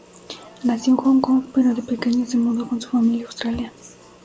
Nació en Hong Kong, pero de pequeño se mudó con su familia a Australia.